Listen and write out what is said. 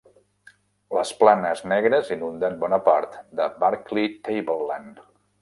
Les planes negres inunden bona part de Barkly Tableland.